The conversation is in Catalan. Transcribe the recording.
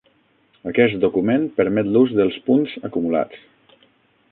Aquest document permet l'ús dels punts acumulats.